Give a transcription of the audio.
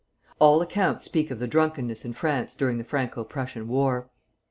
All accounts speak of the drunkenness in France during the Franco Prussian war.